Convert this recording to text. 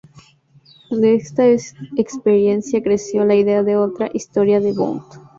De esta experiencia creció la idea de otra historia de Bond.